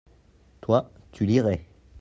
toi, tu lirais.